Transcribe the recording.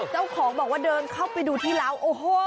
เจ้าของบอกว่าเดินเข้าไปดูที่เล้าโอ้โห